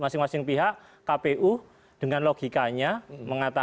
iya masing masing pihak kpu dengan logikanya mengatakan bahwa